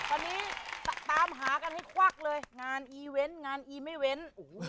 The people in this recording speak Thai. ตอนนี้ตามหากันให้ควักเลยงานอีเวนต์งานอีไม่เว้น